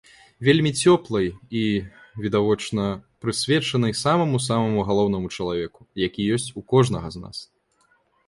Вельмі цёплай і, відавочна, прысвечанай самаму-самаму галоўнаму чалавеку, які ёсць у кожнага з нас.